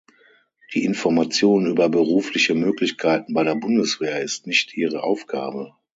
Die Information über berufliche Möglichkeiten bei der Bundeswehr ist nicht ihre Aufgabe.